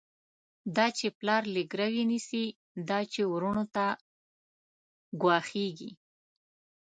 دا چی پلار له ګروی نيسی، دا چی وروڼو ته ګواښيږی